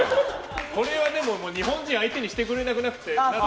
これは日本人を相手にしてくれなくなって。